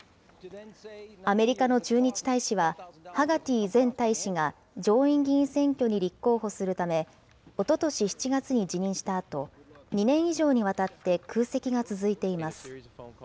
アメリカの駐日大使は、ハガティ前大使が上院議員選挙に立候補するため、おととし７月に辞任したあと、２年以上にわたって空席が続いています。